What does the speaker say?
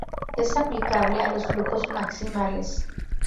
Es aplicable a los Flujos maximales.